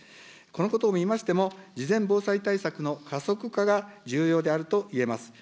このことを見ましても、事前防災対策の加速化が重要であると言えます。